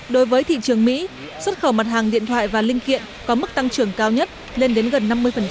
đối với thị trường mỹ xuất khẩu mặt hàng điện thoại và linh kiện có mức tăng trưởng cao nhất lên đến gần năm mươi